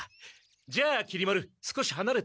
じゃあきり丸少しはなれていろ。